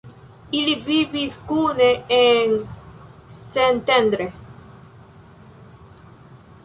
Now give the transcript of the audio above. Ili vivis kune en Szentendre.